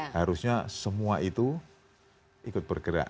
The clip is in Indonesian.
harusnya semua itu ikut bergerak